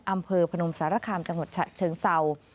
อำเภอภนมสระคามจังหวัดฉะเชิงเศร้า